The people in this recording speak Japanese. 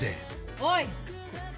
おい！